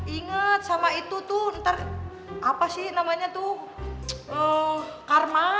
ingat sama itu tuh ntar apa sih namanya tuh karma